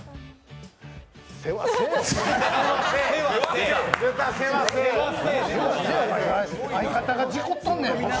世話せい！